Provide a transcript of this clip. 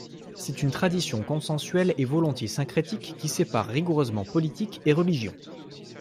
C'est une tradition consensuelle et volontiers syncrétique, qui sépare rigoureusement politique et religion.